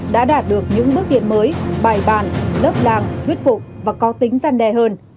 đã đạt được những bước tiến mới bài bàn lớp đàng thuyết phục và có tính gian đe hơn